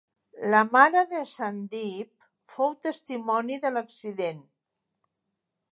La mare de Sandeep fou testimoni de l'accident.